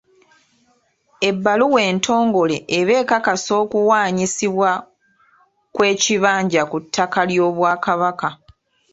Ebbaluwa entongole eba ekakasa okuwaanyisibwa kw’ekibanja ku ttaka ly'Obwakabaka.